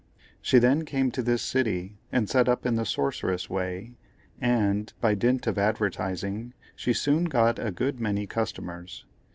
She then came to this city, and set up in the Sorceress way, and, by dint of advertising, she soon got a good many customers.